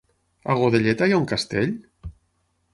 A Godelleta hi ha un castell?